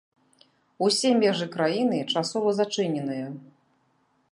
Усе межы краіны часова зачыненыя.